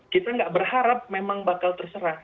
kita nggak berharap memang bakal terserah